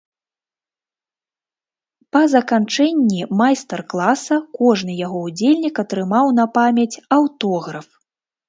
Па заканчэнні майстар-класа кожны яго ўдзельнік атрымаў на памяць аўтограф.